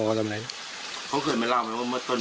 อืมไม่ได้เจอกันเลย